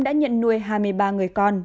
đã nhận nuôi hai mươi ba người con